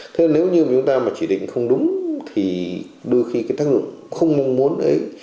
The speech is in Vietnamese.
thế nên nếu như chúng ta mà chỉ định không đúng thì đôi khi cái tác dụng không mong muốn ấy